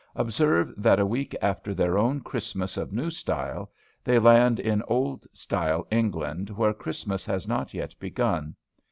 Observe that a week after their own Christmas of New Style, they land in Old Style England, where Christmas has not yet begun.